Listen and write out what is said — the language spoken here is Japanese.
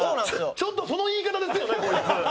ちょっとその言い方ですよね？